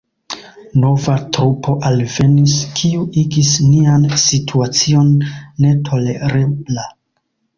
Nova trupo alvenis, kiu igis nian situacion netolerebla.